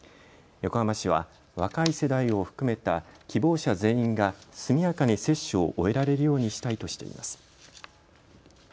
横浜市は若い世代を含めた希望者全員が速やかに接種を終えられるようにしたいとしています。